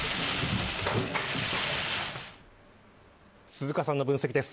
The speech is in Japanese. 鈴鹿さんの分析です。